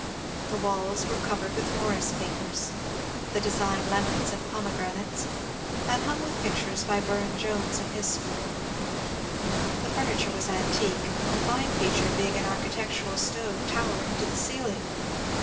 The walls were covered with Morris papers — the design lemons and pomegranates — and hung with pictures by Burne Jones and his school. The furniture was antique, a fine feature being an architectural stove tower ing to the ceiling.